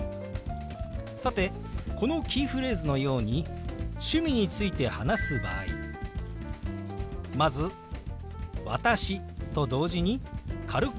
さてこのキーフレーズのように趣味について話す場合まず「私」と同時に軽くあごを下げます。